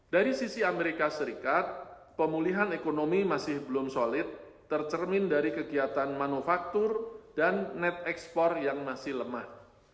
dari sisi amerika serikat pemulihan ekonomi masih belum solid tercermin dari kegiatan manufaktur dan net export yang masih lemah